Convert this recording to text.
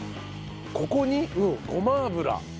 ここにごま油。